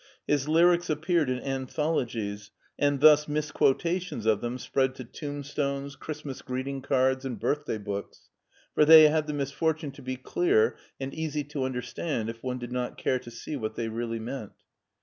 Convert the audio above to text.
His lyrics appeared in anthologies, and thus misquotations of them spread to tombstones, Christmas greeting cards, and birthday books, for they had the misfor tune to be clear and easy to understand if one did not care to see what they really meant.